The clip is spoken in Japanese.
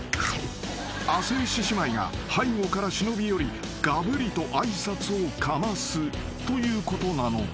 ［亜生獅子舞が背後から忍び寄りがぶりと挨拶をかますということなのだ］